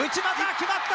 決まった！